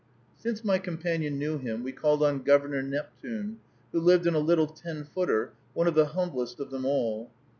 Since my companion knew him, we called on Governor Neptune, who lived in a little "ten footer," one of the humblest of them all.